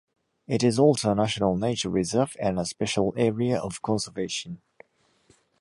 It is also a National Nature Reserve and a Special Area of Conservation.